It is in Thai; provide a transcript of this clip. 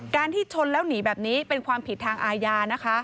ที่ชนแล้วหนีแบบนี้เป็นความผิดทางอาญานะคะ